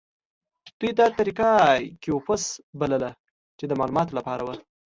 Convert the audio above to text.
دوی دا طریقه کیوپوس بلله چې د معلوماتو لپاره وه.